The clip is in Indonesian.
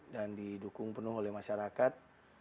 dan didukung penuh oleh masyarakat